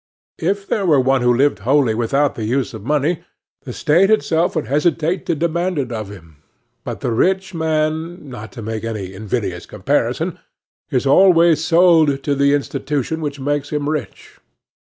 If there were one who lived wholly without the use of money, the State itself would hesitate to demand it of him. But the rich man—not to make any invidious comparison—is always sold to the institution which makes him rich.